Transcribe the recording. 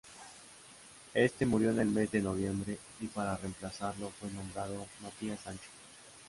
Éste murió en el mes de noviembre, y para reemplazarlo fue nombrado Matías Sancho.